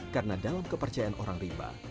karena dalam kepercayaan orang rimba